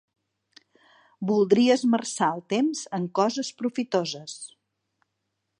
Voldria esmerçar el temps en coses profitoses.